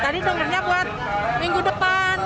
tadi dengernya buat minggu depan